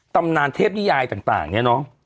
ตำนานเทพนิยายต่างเนี่ยเนาะ